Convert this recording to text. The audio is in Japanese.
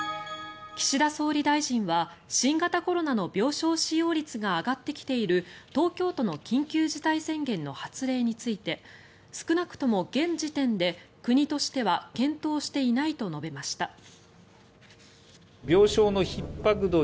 岸田総理大臣は新型コロナの病床使用率が上がってきている、東京都の緊急事態宣言の発令について少なくとも現時点で国としては検討していないと述べました。